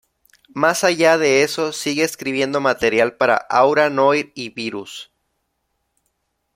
Más allá de eso, sigue escribiendo material para Aura Noir y Virus.